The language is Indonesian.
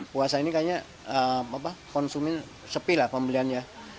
puasa ini kayaknya konsumen sepi lah pembeliannya